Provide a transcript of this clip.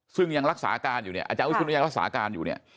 ซึ่งยังรักษาการอยู่จันทร์วิทยาลักษาการ